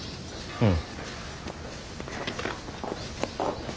うん。